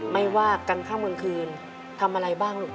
ไม่ว่ากันข้างกลางคืนทำอะไรบ้างลูก